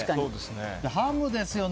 ハムですよね。